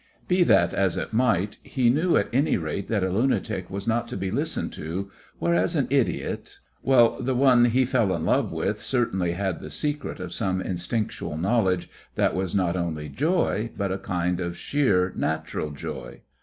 Be that as it might, he knew at any rate that a lunatic was not to be listened to, whereas an idiot well, the one he fell in love with certainly had the secret of some instinctual knowledge that was not only joy, but a kind of sheer natural joy.